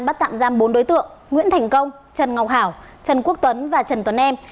bắt tạm giam bốn đối tượng nguyễn thành công trần ngọc hảo trần quốc tuấn và trần tuấn em